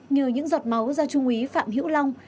như những giọt máu do trung úy phạm hữu long